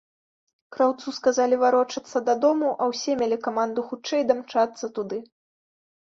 Краўцу сказалі варочацца дадому, а ўсе мелі каманду хутчэй дамчацца туды.